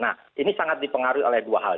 nah ini sangat dipengaruhi oleh dua hal